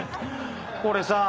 これさ。